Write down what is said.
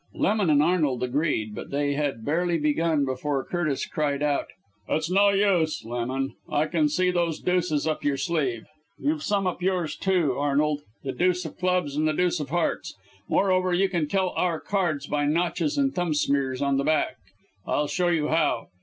Lemon and Arnold agreed, but they had barely begun before Curtis cried out, "It's no use, Lemon, I can see those deuces up your sleeve. You've some up yours, too, Arnold the deuce of clubs and the deuce of hearts. Moreover, you can tell our cards by notches and thumb smears on the backs. I'll show you how."